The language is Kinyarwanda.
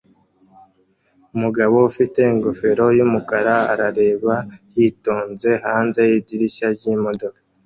Umugabo ufite ingofero yumukara arareba yitonze hanze yidirishya ryimodoka